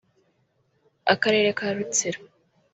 akarere ka Rutsiro